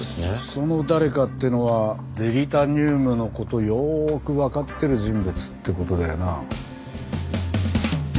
その誰かってのはデリタニウムの事よーくわかってる人物って事だよな。